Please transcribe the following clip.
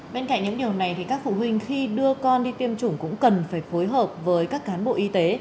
bên cạnh những điều này thì các phụ huynh khi đưa con đi tiêm chủng cũng cần phải phối hợp với các cán bộ y tế